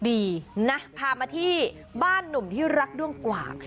นะพามาที่บ้านหนุ่มที่รักด้วงกว่าง